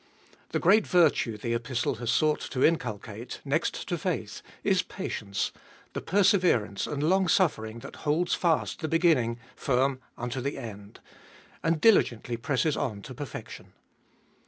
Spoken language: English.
The great virtue the Epistle has sought to inculcate, next to faith, is patience, the perseverance and long suffering that holds fast the beginning firm unto the end, and diligently presses on to perfection.